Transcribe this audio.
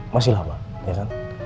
masih lama ya kan